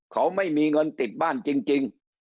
เขาไม่มีเงินติดบ้านจริง